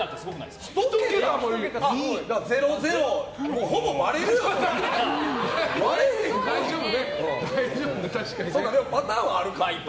でも、パターンはあるか。